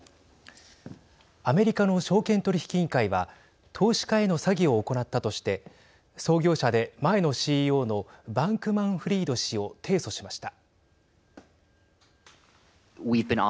アメリカの証券取引委員会は投資家への詐欺を行ったとして創業者で前のＣＥＯのバンクマンフリード氏を提訴しました。